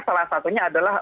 salah satunya adalah